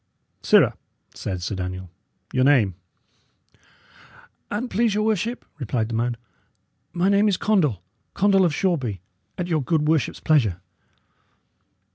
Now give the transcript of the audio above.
"Sirrah," said Sir Daniel, "your name?" "An't please your worship," replied the man, "my name is Condall Condall of Shoreby, at your good worship's pleasure."